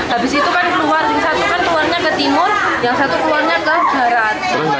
habis itu kan keluar yang satu kan keluarnya ke timur yang satu keluarnya ke barat